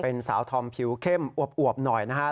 เป็นสาวธอมผิวเข้มอวบหน่อยนะฮะ